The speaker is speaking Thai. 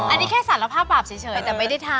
อันนี้แค่สารภาพบาปเฉยแต่ไม่ได้ทำ